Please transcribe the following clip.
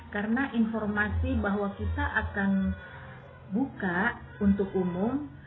karena informasi bahwa kita akan buka untuk umum